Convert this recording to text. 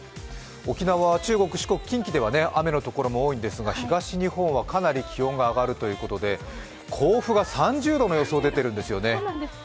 沖縄、中国、四国、近畿では雨のところも多いんですが東日本はかなり気温が上がるということで甲府が３０度の予想が出ているんですよね。